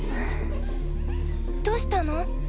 どうしたの？